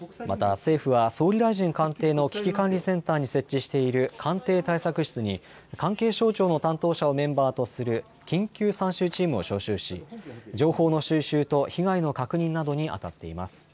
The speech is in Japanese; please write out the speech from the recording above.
また政府は総理大臣官邸の危機管理センターに設置している官邸対策室に関係省庁の担当者をメンバーとする緊急参集チームを招集し、情報の収集と被害の確認などにあたっています。